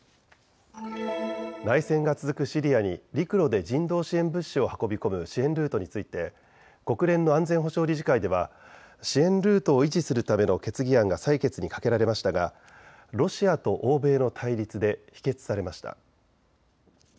内戦が続くシリアに陸路で人道支援物資を運び込む支援ルートについて国連の安全保障理事会では支援ルートを維持するための決議案が採決にかけられましたがロシアと欧米の対立で否決されました。